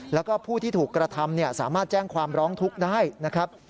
แล้วก็ผู้ที่ถูกกระทำสามารถแจ้งความร้องทุกข์ได้นะครับ